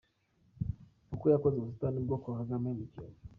Uko yakoze ubusitani bwo kwa Kagame mu Kiyovu.